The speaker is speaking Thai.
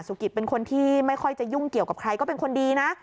กิจเป็นคนที่ไม่ค่อยจะยุ่งเกี่ยวกับใครก็เป็นคนดีนะ